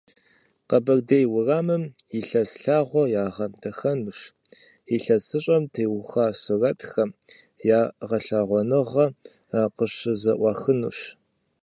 Къэбэрдей уэрамым и лъэс лъагъуэр ягъэдахэнущ, ИлъэсыщӀэм теухуа сурэтхэм я гъэлъэгъуэныгъэ къыщызэӀуахынущ.